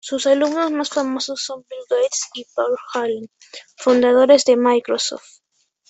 Sus alumnos más famosos son Bill Gates y Paul Allen, fundadores de Microsoft.